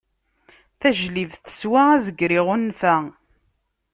Tajlibt teswa, azger iɣunfa.